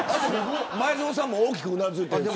前園さんも大きくうなずいてる。